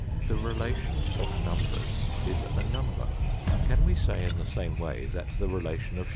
The relation of numbers is a number. Can we say in the same way that the relation of shapes is a shape